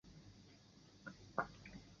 肉质酥软浓香。